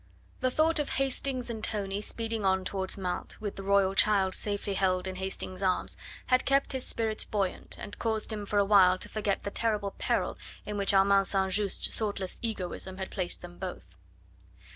The thought of Hastings and Tony speeding on towards Mantes with the royal child safely held in Hastings' arms had kept his spirits buoyant and caused him for a while to forget the terrible peril in which Armand St. Just's thoughtless egoism had placed them both.